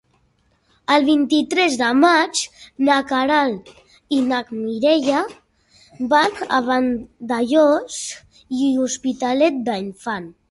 El vint-i-tres de maig na Queralt i na Mireia van a Vandellòs i l'Hospitalet de l'Infant.